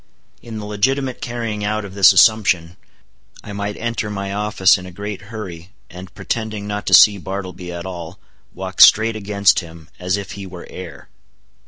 In the legitimate carrying out of this assumption, I might enter my office in a great hurry, and pretending not to see Bartleby at all, walk straight against him as if he were air.